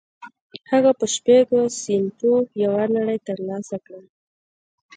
هغه په شپږو سينټو یوه نړۍ تر لاسه کړه